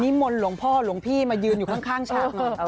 มนต์หลวงพ่อหลวงพี่มายืนอยู่ข้างชากเลย